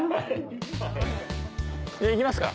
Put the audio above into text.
じゃあ行きますか。